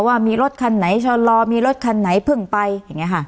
ว่ามีรถคันไหนชะลอมีรถคันไหนเพิ่งไปอย่างนี้ค่ะ